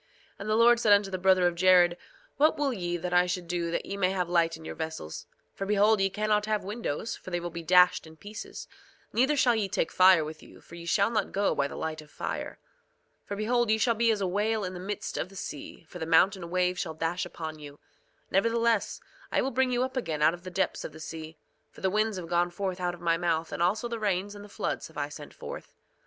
2:23 And the Lord said unto the brother of Jared: What will ye that I should do that ye may have light in your vessels? For behold, ye cannot have windows, for they will be dashed in pieces; neither shall ye take fire with you, for ye shall not go by the light of fire. 2:24 For behold, ye shall be as a whale in the midst of the sea; for the mountain waves shall dash upon you. Nevertheless, I will bring you up again out of the depths of the sea; for the winds have gone forth out of my mouth, and also the rains and the floods have I sent forth.